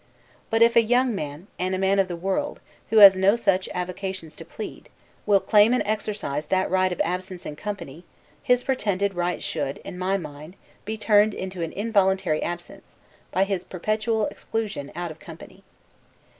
But if a young man, and a man of the world, who has no such avocations to plead, will claim and exercise that right of absence in company, his pretended right should, in my mind, be turned into an involuntary absence, by his perpetual exclusion out of company.